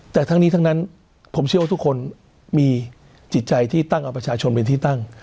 แต่ทั้งนี้ทั้งนั้นผมเชื่อว่าทุกคนมีจิตใจที่ตั้งเอาประชาชนเป็นที่ตั้ง